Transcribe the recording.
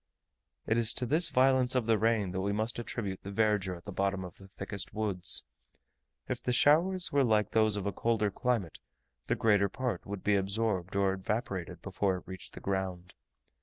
It is to this violence of the rain that we must attribute the verdure at the bottom of the thickest woods: if the showers were like those of a colder climate, the greater part would be absorbed or evaporated before it reached the ground.